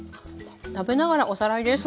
食べながらおさらいです。